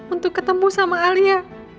untuk ketemu sama alia